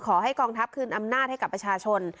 กองทัพคืนอำนาจให้กับประชาชน